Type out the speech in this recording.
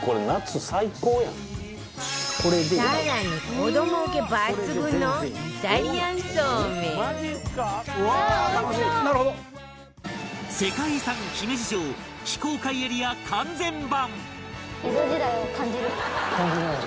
更に世界遺産姫路城非公開エリア完全版